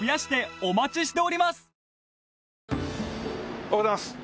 おはようございます。